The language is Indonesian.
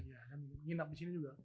iya kan nginap di sini juga